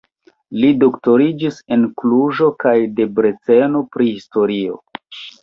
Li doktoriĝis en Kluĵo kaj Debreceno pri historio.